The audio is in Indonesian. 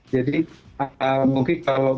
jadi mungkin kalau